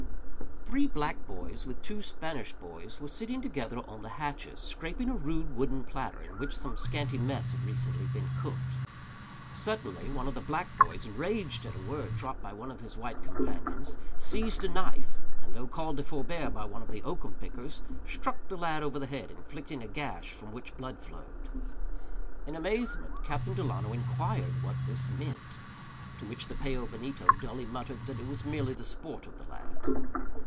Three black boys, with two Spanish boys, were sitting together on the hatches, scraping a rude wooden platter, in which some scanty mess had recently been cooked. Suddenly, one of the black boys, enraged at a word dropped by one of his white companions, seized a knife, and, though called to forbear by one of the oakum pickers, struck the lad over the head, inflicting a gash from which blood flowed. In amazement, Captain Delano inquired what this meant. To which the pale Don Benito dully muttered, that it was merely the sport of the lad.